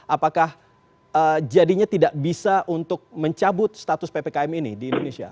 apakah jadinya tidak bisa untuk mencabut status ppkm ini di indonesia